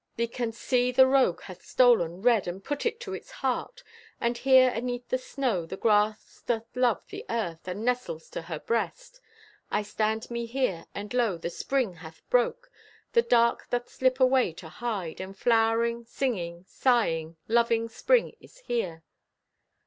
Thee canst see the rogue hath stolen red And put it to its heart. And here Aneath the snow the grass doth love the earth And nestles to her breast. I stand me here, and lo, the Spring hath broke! The dark doth slip away to hide, And flowering, singing, sighing, loving Spring Is here!